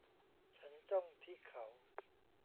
ฉันจ้องที่เขา